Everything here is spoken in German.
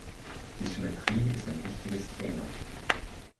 Die Symmetrie ist ein wichtiges Thema.